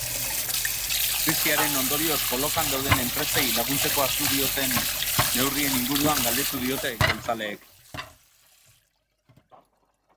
Krisiaren ondorioz kolokan dauden enpresei laguntzeko hartu dituen neurrien inguruan galdetu diote jeltzaleek.